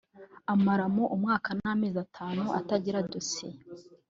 amaramo umwaka n’amezi atanu atagira dosiye